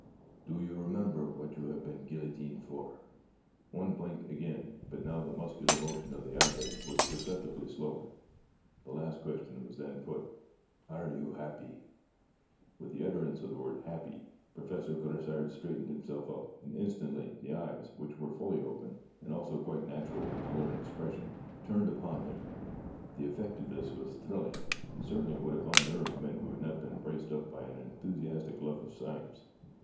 ' Do you remember what you have been guillotined for ?' One blink again, but now the muscular motion of the eye lid was perceptibly slower. The last question was then put :' Are you happy ?' With the utterance of the word ' happy,' Professor Gras sard straightened himself up, and instantly the eyes, which were full open, and also quite natural in colour and expression, turned upon him. The effect of this was thrilling, and certainly would have unnerved men who had not been braced up by an enthusiastic love for science.